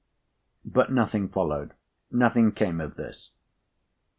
"But nothing followed? Nothing came of this?"